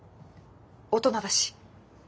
大人だし。